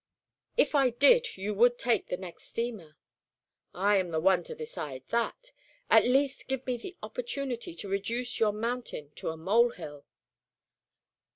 "If I did, you would take the next steamer." "I am the one to decide that. At least give me the opportunity to reduce your mountain to a mole hill."